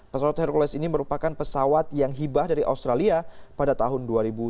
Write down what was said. pesawat hercules ini merupakan pesawat yang hibah dari australia pada tahun dua ribu dua puluh